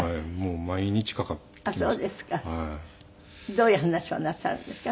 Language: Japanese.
どういう話をなさるんですか？